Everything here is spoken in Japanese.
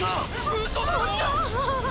・・ウソだろ！